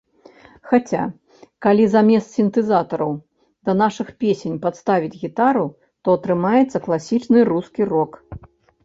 Хаця, калі замест сінтэзатараў да нашых песень падставіць гітару, то атрымаецца класічны рускі рок.